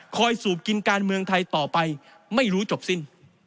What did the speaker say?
สูบกินการเมืองไทยต่อไปไม่รู้จบสิ้น